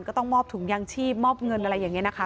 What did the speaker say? ก็ต้องมอบถุงยางชีพมอบเงินอะไรอย่างนี้นะคะ